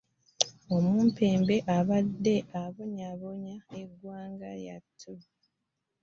Omumpembe abadde abonyaabonya eggwanga yattiddwa.